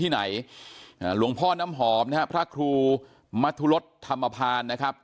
หลวงพ่อน้ำหอมเนี่ยครับพระครูมัธุรสธรรมภาณนะครับ